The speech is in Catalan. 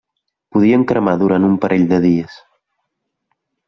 Podien cremar durant un parell de dies.